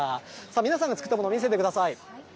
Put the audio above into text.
皆さんが作ったもの、見せてください。